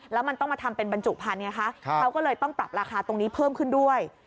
แล้วมันต้องมาทำเป็นบรรจุภัณฑ์ไงคะเขาก็เลยต้องปรับราคาตรงนี้เพิ่มขึ้นด้วย